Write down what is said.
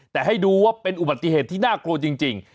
แต่ให้ดูว่าเป็นอุบัติเหตุที่น่ากลัวจริง